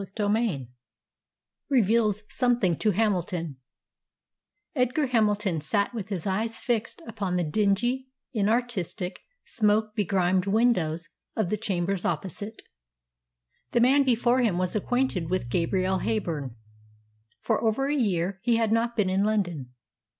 CHAPTER XXX REVEALS SOMETHING TO HAMILTON Edgar Hamilton sat with his eyes fixed upon the dingy, inartistic, smoke begrimed windows of the chambers opposite. The man before him was acquainted with Gabrielle Heyburn! For over a year he had not been in London.